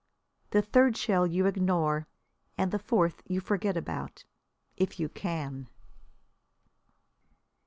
The third shell you ignore, and the fourth you forget about if you can.